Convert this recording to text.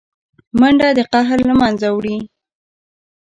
منډه د قهر له منځه وړي